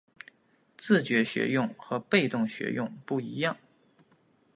自觉学用与被动学用不一样